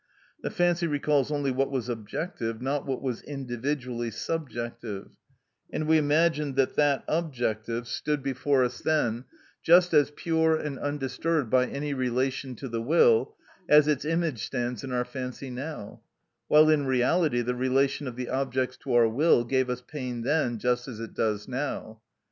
The fancy recalls only what was objective, not what was individually subjective, and we imagine that that objective stood before us then just as pure and undisturbed by any relation to the will as its image stands in our fancy now; while in reality the relation of the objects to our will gave us pain then just as it does now.